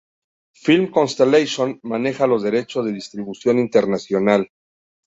Film Constellation maneja los derechos de distribución internacional.